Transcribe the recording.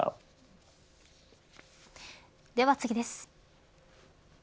では次です。